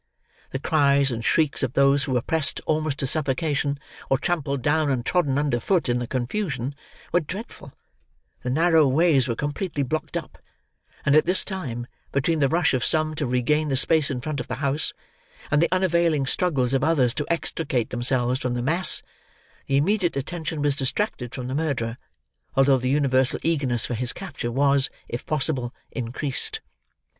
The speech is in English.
The cries and shrieks of those who were pressed almost to suffocation, or trampled down and trodden under foot in the confusion, were dreadful; the narrow ways were completely blocked up; and at this time, between the rush of some to regain the space in front of the house, and the unavailing struggles of others to extricate themselves from the mass, the immediate attention was distracted from the murderer, although the universal eagerness for his capture was, if possible, increased.